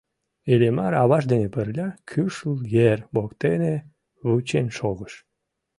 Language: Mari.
Иллимар аваж дене пырля Кӱшыл ер воктене вучен шогыш.